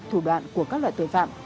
thủ đoạn của các loại tội phạm